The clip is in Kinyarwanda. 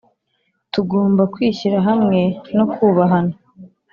Tugomba kwishyira hamwe no kubahana